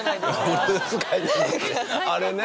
あれね。